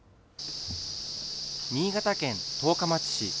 新潟県十日町市。